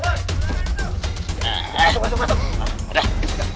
masuk masuk masuk masuk